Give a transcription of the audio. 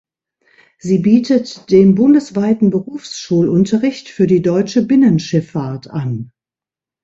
Sie bietet den bundesweiten Berufsschulunterricht für die deutsche Binnenschifffahrt an.